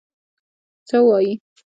څه وايي.